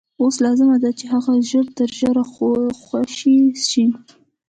اوس لازمه ده چې هغه ژر تر ژره خوشي شي.